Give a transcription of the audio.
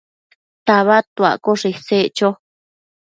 tabadtuaccoshe isec cho